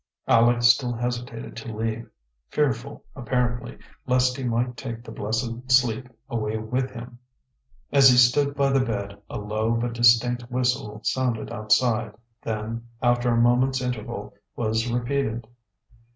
Aleck still hesitated to leave, fearful, apparently, lest he might take the blessed sleep away with him. As he stood by the bed, a low but distinct whistle sounded outside, then, after a moment's interval, was repeated.